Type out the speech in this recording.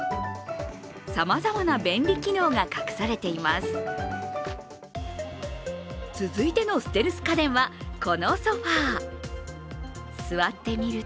さまざまな便利機能が隠されています。